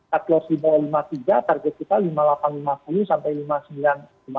cut loss di bawah lima puluh tiga target kita lima ribu delapan ratus lima puluh sampai lima ribu sembilan ratus lima puluh